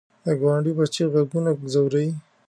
د ګاونډي بچي غږ ونه ځوروې